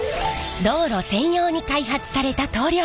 道路専用に開発された塗料。